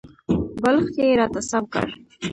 بالښت یې راته سم کړ .